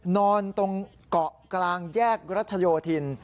นอนตรงเกาะกลางแยกรัชโยธิน